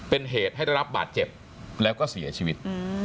เป็นเหตุให้ได้รับบาดเจ็บแล้วก็เสียชีวิต